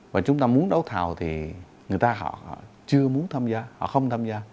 và chúng ta muốn đấu thảo thì người ta họ chưa muốn tham gia họ không tham gia